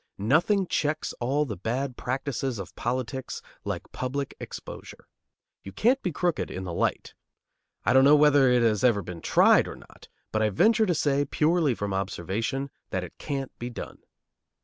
Nothing checks all the bad practices of politics like public exposure. You can't be crooked in the light. I don't know whether it has ever been tried or not; but I venture to say, purely from observation, that it can't be done.